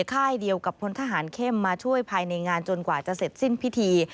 ค่ายเดียวกับพลทหารเข้มมาช่วยภายในงานจนกว่าจะเสร็จสิ้นพิธี